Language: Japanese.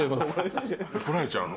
怒られちゃうの？